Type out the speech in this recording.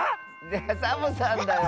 ⁉いやサボさんだよ。